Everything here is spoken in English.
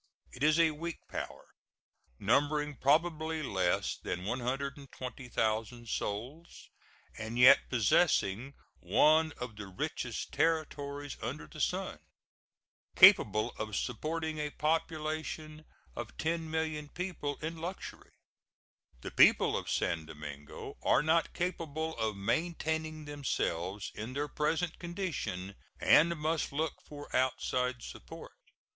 It is a weak power, numbering probably less than 120,000 souls, and yet possessing one of the richest territories under the sun, capable of supporting a population of 10,000,000 people in luxury. The people of San Domingo are not capable of maintaining themselves in their present condition, and must look for outside support.